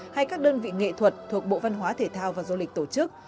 hay các đơn vị nghệ thuật thuộc bộ văn hóa thể thao và du lịch tổ chức